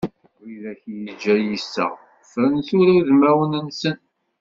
Wid akk yeǧǧa yiseɣ, ffren tura udmawen-nsen.